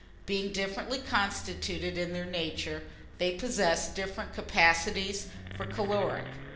Being differently constituted in their nature, they possess different "capacities for caloric."